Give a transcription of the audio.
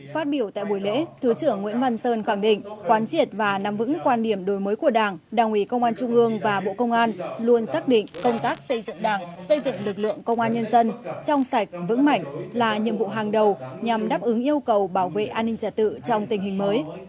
phát biểu tại buổi lễ thứ trưởng nguyễn văn sơn khẳng định quán triệt và nắm vững quan điểm đổi mới của đảng đảng ủy công an trung ương và bộ công an luôn xác định công tác xây dựng đảng xây dựng lực lượng công an nhân dân trong sạch vững mạnh là nhiệm vụ hàng đầu nhằm đáp ứng yêu cầu bảo vệ an ninh trả tự trong tình hình mới